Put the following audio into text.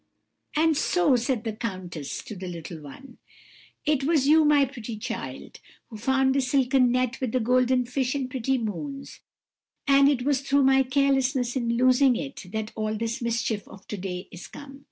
"'And so,' said the countess to the little one, 'it was you, my pretty child, who found the silken net with the golden fish and pretty moons; and it was through my carelessness in losing it that all this mischief of to day is come.